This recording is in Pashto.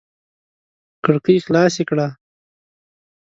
کړکۍ خلاصې کړه!